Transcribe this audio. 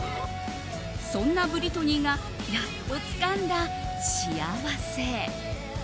そんなブリトニーがやっとつかんだ幸せ。